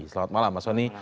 selamat malam pak soni